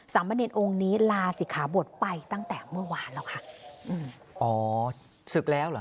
มะเนรองค์นี้ลาศิกขาบทไปตั้งแต่เมื่อวานแล้วค่ะอืมอ๋อศึกแล้วเหรอ